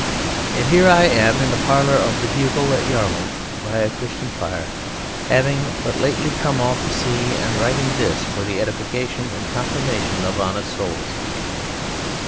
And here I am in the parlour of the "Bugle" at Yarmouth, by a Christian fire, having but lately come off the sea and writing this for the edification and confirmation of honest souls.